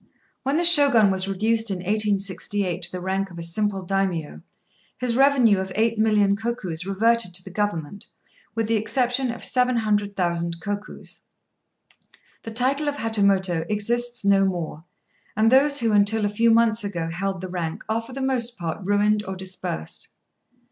When the Shogun was reduced in 1868 to the rank of a simple Daimio, his revenue of eight million kokus reverted to the Government, with the exception of seven hundred thousand kokus. The title of Hatamoto exists no more, and those who until a few months ago held the rank are for the most part ruined or dispersed.